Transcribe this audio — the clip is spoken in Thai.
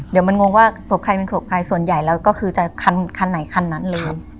เดี๋ยวมันงงว่าศพใครเป็นศพใครส่วนใหญ่แล้วก็คือจะคันไหนคันนั้นเลย